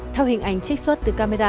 theo hình ảnh trích xuất từ camera